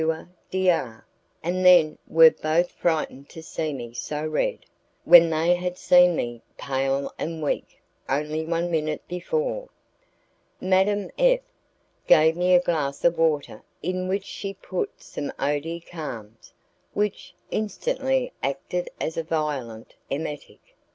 D R , and then were both frightened to see me so red, when they had seen me pale and weak only one minute before. Madame F gave me a glass of water in which she put some Eau des carmes which instantly acted as a violent emetic.